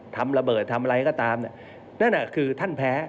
ทำระเบิดทำอะไรก็ตามเนี่ยนั่นคือท่านแพ้